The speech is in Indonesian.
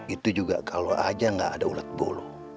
itu juga kalo aja ga ada ulat bulu